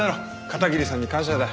片桐さんに感謝だ。